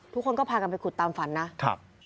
ทุกคนก็พากันไปขุดตามฝันนะครับ